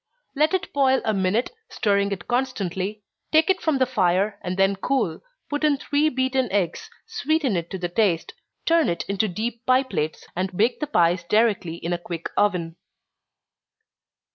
Let it boil a minute, stirring it constantly take it from the fire, and when cool, put in three beaten eggs sweeten it to the taste, turn it into deep pie plates, and bake the pies directly in a quick oven.